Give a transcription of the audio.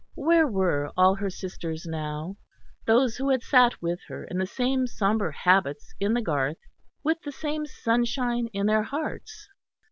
Where were all her sisters now, those who had sat with her in the same sombre habits in the garth, with the same sunshine in their hearts?